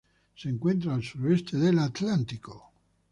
Se encuentra al suroeste del Atlántico.